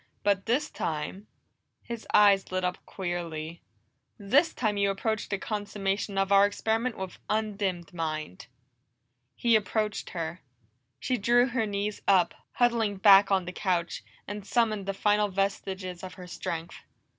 But this time" His eyes lit up queerly "this time you approach the consummation of our experiment with undimmed mind!" He approached her. She drew her knees up, huddling back on the couch, and summoned the final vestiges of her strength.